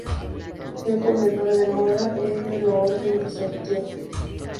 Fue comendador de Mora en la Orden de Santiago.